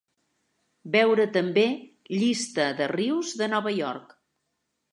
Veure també Llista de rius de Nova York.